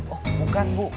oh bukan bu